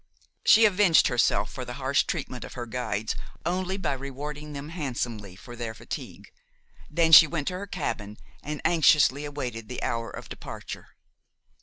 She avenged herself for the harsh treatment of her guides only by rewarding them handsomely for their fatigue; then she went to her cabin and anxiously awaited the hour of departure.